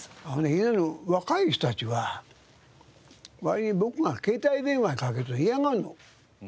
いわゆる若い人たちは割に僕が携帯電話にかけると嫌がるの。